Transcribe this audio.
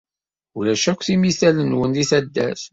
Ulac akk timital-nwen di taddart.